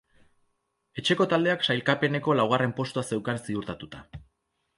Etxeko taldeak sailkapeneko laugarren postua zeukan ziurtatuta.